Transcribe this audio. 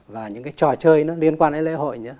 và những cái trò chơi nó liên quan đến lễ hội nữa